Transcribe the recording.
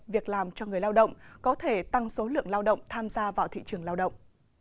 việc làm cho người lao động có thể tăng số lượng lao động tham gia vào thị trường lao động